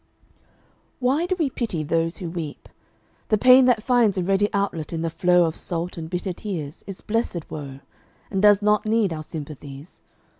Why do we pity those who weep? The pain That finds a ready outlet in the flow Of salt and bitter tears is blessed woe, And does not need our sympathies.